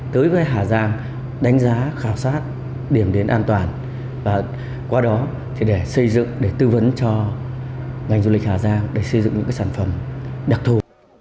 tới với hà giang đánh giá khảo sát điểm đến an toàn và qua đó để xây dựng để tư vấn cho ngành du lịch hà giang để xây dựng những sản phẩm đặc thù